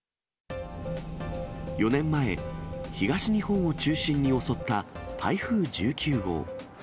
４年前、東日本を中心に襲った台風１９号。